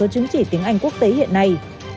chứng chỉ tiếng anh quốc tế hiện nay